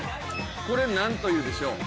これなんというでしょう？